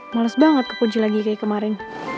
males banget ke kunci lagi kayak kemarin